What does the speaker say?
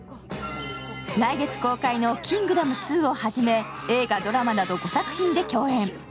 来月公開の「キングダム２」をはじめ映画、ドラマなど５作品で共演。